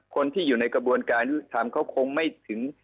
คนที่อยู่ในกระบวนการยุทธธรรมเขาคงไม่ถึง